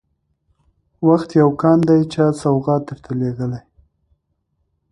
وخت يو كان دى چا سوغات درته لېږلى